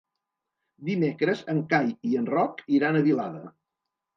Dimecres en Cai i en Roc iran a Vilada.